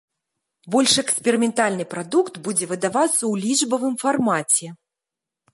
Больш эксперыментальны прадукт будзе выдавацца ў лічбавым фармаце.